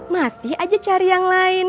masih aja cari yang lain